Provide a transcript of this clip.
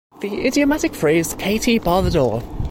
The idiomatic phrase Katy, bar the door!